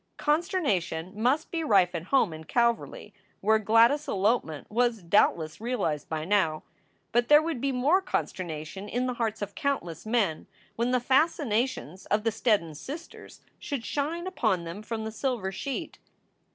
Consternation must be rife at home in Calverly where Gladys s elopement was doubtless realized by now, but there would be more consternation in the hearts of countless men when the fascinations of the Steddon sisters should shine upon them from the silver sheet.